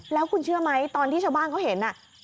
แล้วคุณเชื่อไหมตอนที่ชาวบ้านเขาเห็น